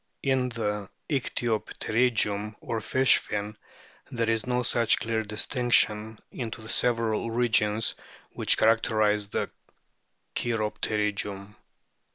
In the ichthyopterygium, or fish fin, there is no such clear distinction into the several regions which characterise the cheiropterygium.